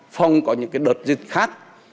phòng có những đợt dịch khác